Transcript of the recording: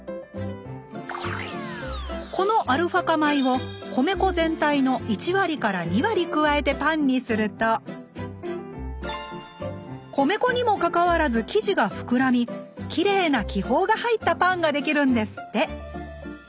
このアルファ化米を米粉全体の１割から２割加えてパンにすると米粉にもかかわらず生地が膨らみきれいな気泡が入ったパンができるんですって！